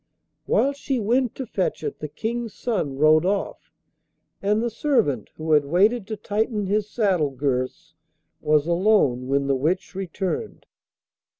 Whilst she went to fetch it the King's son rode off, and the servant who had waited to tighten his saddle girths was alone when the witch returned.